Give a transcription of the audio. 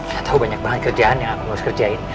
gak tau banyak banget kerjaan yang aku harus kerjain